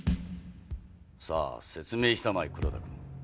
さぁ説明したまえ黒田君。